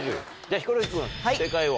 ヒコロヒー君正解を。